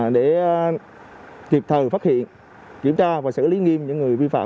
để kịp thời phát hiện kiểm tra và xử lý nghiêm những người vi phạm